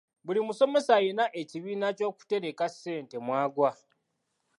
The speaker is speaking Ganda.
Buli musomesa alina ekibiina ky'okutereka ssente mw'agwa.